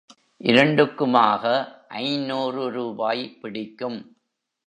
இரண்டுக்குமாக, ஐந்நூறு ரூபாய் பிடிக்கும்.